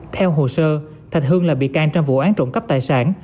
theo hồ sơ thạch hưng là bị can trong vụ án trộm cắp tài sản